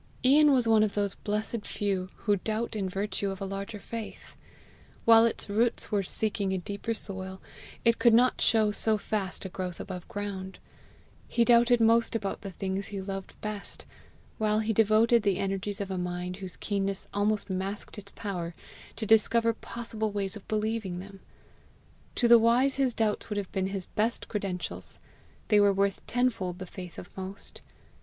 Ian was one of those blessed few who doubt in virtue of a larger faith. While its roots were seeking a deeper soil, it could not show so fast a growth above ground, He doubted most about the things he loved best, while he devoted the energies of a mind whose keenness almost masked its power, to discover possible ways of believing them. To the wise his doubts would have been his best credentials; they were worth tenfold the faith of most.